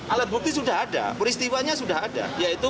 alat bukti sudah ada peristiwanya sudah ada